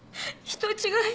人違い！？